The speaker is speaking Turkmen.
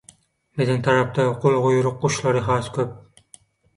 Biziň tarapda Gulguýruk guşlary has köp!